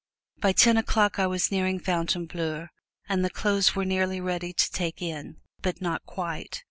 By ten o'clock I was nearing Fontainebleau, and the clothes were nearly ready to take in but not quite.